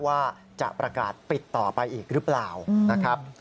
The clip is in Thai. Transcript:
ว่าจะประกาศปิดต่อไปอีกหรือเปล่านะครับ